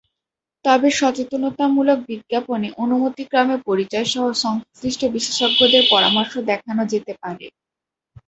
তবে সচেতনতামূলক বিজ্ঞাপনে অনুমতিক্রমে পরিচয়সহ সংশ্লিষ্ট বিশেষজ্ঞদের পরামর্শ দেখানো যেতে পারে।